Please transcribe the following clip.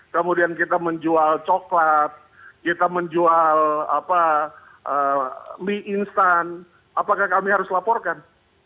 kemudian kita menjual coklat kita menjual mie instan apakah kami harus laporkan